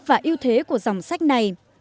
và yêu thế của dòng sách này